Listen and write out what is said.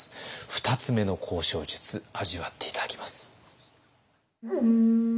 ２つ目の交渉術味わって頂きます。